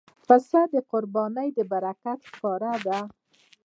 پسه د قربانۍ برکت ښکاره کوي.